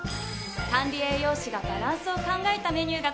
管理栄養士がバランスを考えたメニューが特長なの。